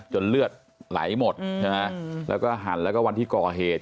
เลือดไหลหมดใช่ไหมแล้วก็หั่นแล้วก็วันที่ก่อเหตุ